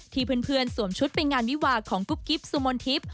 ที่เพื่อนสวมชุดเป็นงานวิวากของกุ๊บกิ๊บซูมนทิพย์